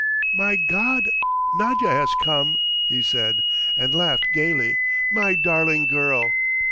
"My God, Nadya has come!" he said, and laughed gaily. "My darling girl!"